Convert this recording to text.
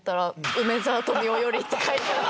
梅沢富美男よりって書いてあって。